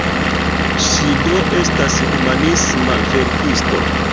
Ŝi do estas humanisma verkisto.